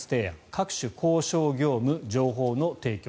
各種交渉業務、情報提供。